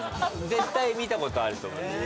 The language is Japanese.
絶対見たことあると思います